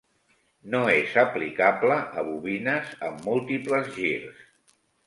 No és aplicable a bobines amb múltiples girs.